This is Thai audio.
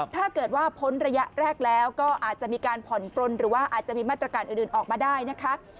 ถ้าเกิดว่าพ้นระยะแรกแล้วก็อาจจะมีการผ่อนปลนหรือว่าอาจจะมีมาตรการอื่นออกมาได้นะคะ